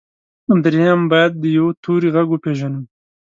درېيم بايد د يوه توري غږ وپېژنو.